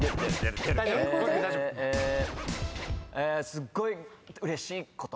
すっごい嬉しいこと。